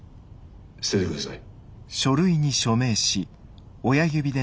捨ててください。